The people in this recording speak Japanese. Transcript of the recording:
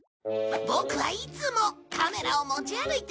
ボクはいつもカメラを持ち歩いている。